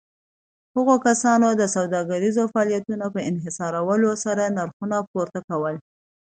هغو کسانو د سوداګريزو فعاليتونو په انحصارولو سره نرخونه پورته کول.